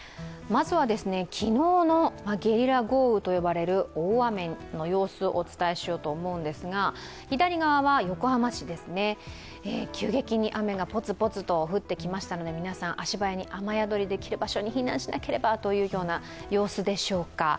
まずは昨日のゲリラ豪雨と呼ばれる大雨の様子をお伝えしようと思うんですが左側は横浜市ですね、急激に雨がポツポツと降ってきましたので、皆さん足早に雨宿りできる場所に避難しなければという様子でしょうか。